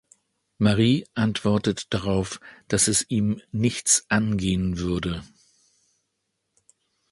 Marie antwortet darauf, dass es ihm nichts angehen würde.